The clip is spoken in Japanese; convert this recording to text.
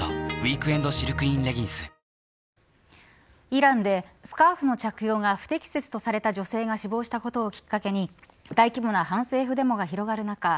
イランでスカーフの着用が不適切とされた女性が死亡したことをきっかけに大規模な反政府デモが広がる中